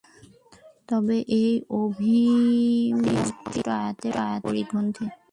তবে এ অভিমতটি স্পষ্ট আয়াতের পরিপন্থী।